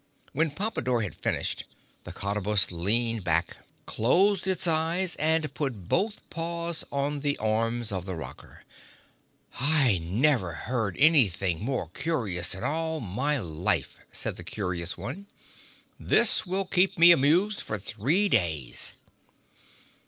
When Pompadore had finished the Cottabus leaned back, closed its eyes and put both paws on the arms of the rocker. "I never heard anything more curious in my life," said the curious one. "This will keep me amused for three days!"